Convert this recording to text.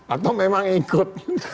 atau memang ikut